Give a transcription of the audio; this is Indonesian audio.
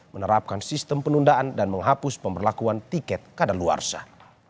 menerapkan sistem penundaan dan menghapus pemberlakuan tiket kadar luar sah